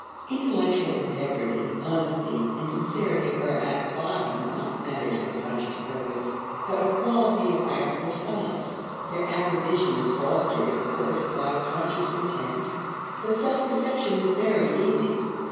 Intellectual integrity, honesty, and sincerity are at bottom not matters of conscious purpose but of quality of active response. Their acquisition is fostered of course by conscious intent, but self deception is very easy.